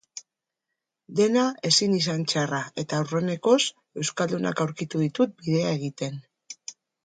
Dena ezin izan txarra eta aurrenekoz euskaldunak aurkitu ditut bidea egiten.